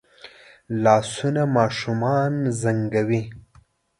لاسونه ماشومان زنګوي